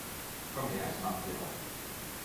Komm her, ich mache dir auf!